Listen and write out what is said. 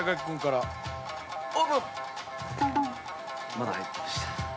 まだ入ってました。